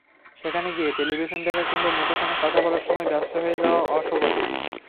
সেখানে গিয়ে টেলিভিশন দেখা কিংবা মুঠোফোনে কথা বলায় ব্যস্ত হয়ে যাওয়া অশোভন।